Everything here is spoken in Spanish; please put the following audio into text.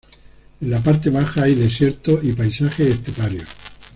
En la parte baja hay desiertos y paisajes esteparios.